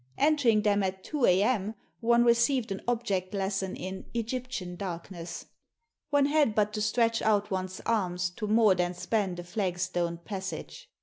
Entering them at two a.m. one received an object lesson in "Egyptian darkness." One had but to stretch out one's arms to more than span the flagstoned passage.